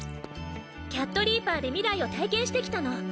キャットリーパーで未来を体験してきたの。